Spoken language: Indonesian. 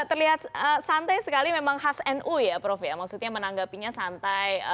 terlihat santai sekali memang khas nu ya prof ya maksudnya menanggapinya santai